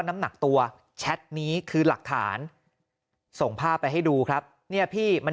น้ำหนักตัวแชทนี้คือหลักฐานส่งภาพไปให้ดูครับเนี่ยพี่มัน